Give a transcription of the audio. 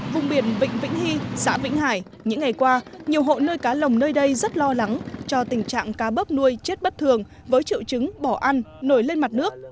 vùng biển vịnh vĩnh hy xã vĩnh hải những ngày qua nhiều hộ nơi cá lồng nơi đây rất lo lắng cho tình trạng cá bớp nuôi chết bất thường với triệu chứng bỏ ăn nổi lên mặt nước